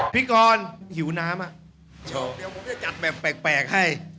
พี่กรหิวน้ำอ่ะเดี๋ยวผมจะจัดแบบแปลกให้